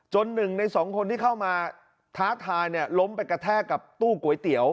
หนึ่งในสองคนที่เข้ามาท้าทายล้มไปกระแทกกับตู้ก๋วยเตี๋ยว